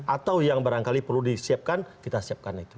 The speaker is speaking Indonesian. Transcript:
atau yang barangkali perlu disiapkan kita siapkan itu